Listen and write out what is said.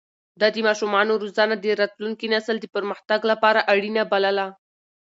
ده د ماشومانو روزنه د راتلونکي نسل د پرمختګ لپاره اړينه بلله.